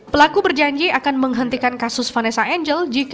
pelaku berjanji akan menghentikan kasus vanessa angel